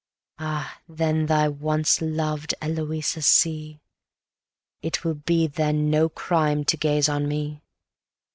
Ah, then thy once loved Eloisa see! It will be then no crime to gaze on me.